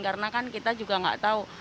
karena kan kita juga tidak tahu